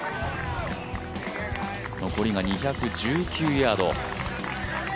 残りが２１９ヤード。